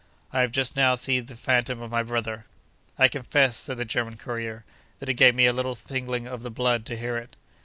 I have just now seen the phantom of my brother.' I confess (said the German courier) that it gave me a little tingling of the blood to hear it.